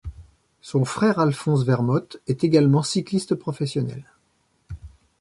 Son frère Alphonse Vermote est également cycliste professionnel.